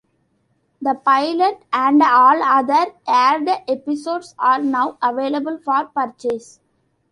The pilot and all other aired episodes are now available for purchase.